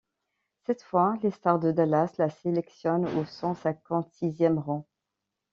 Cette fois, les Stars de Dallas le sélectionnent au cent-cinquante-sixième rang.